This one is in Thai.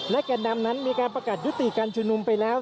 และแก่นำนั้นมีการประกาศยุติการชุมนุมไปแล้ว